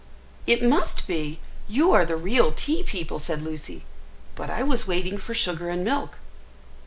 "It must be! You are the real tea people," said Lucy; "but I was waiting for sugar and milk."